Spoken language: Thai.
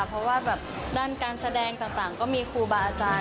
เพราะว่าแบบด้านการแสดงต่างก็มีครูบาอาจารย์